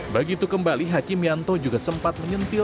begitu kembali hakim yanto juga sempat mencari dokter